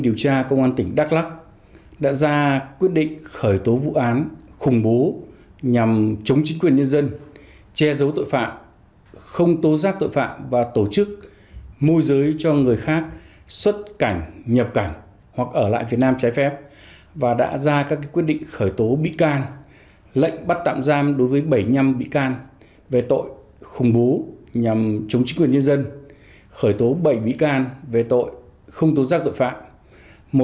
về tội khủng bố nhằm chống chức quyền nhân dân khởi tố bảy bị can về tội không tố giác tội phạm